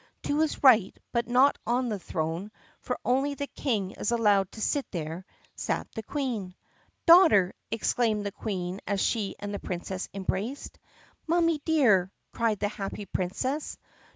To his right but not on the throne — for only the King is allowed to sit there — sat the Queen. "Daughter!" exclaimed the Queen as she and the Princess embraced. "Mommer dear!" cried the happy Princess.